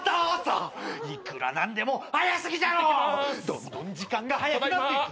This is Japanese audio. どんどん時間がはやくなっていく。